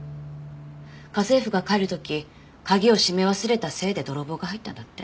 家政婦が帰る時鍵をしめ忘れたせいで泥棒が入ったんだって。